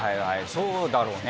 そうだろうね。